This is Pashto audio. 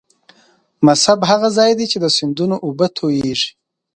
مصب هغه ځاي دې چې د سیندونو اوبه تویږي.